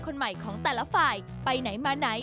คนใหม่ของแต่ละฝ่ายไปไหนมาไหน